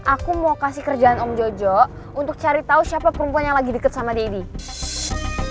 aku mau kasih kerjaan om jojo untuk cari tahu siapa perempuan yang lagi deket sama deddy